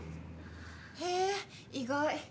へえ意外。